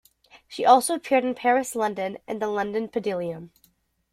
She also appeared in Paris, London, and the London Palladium.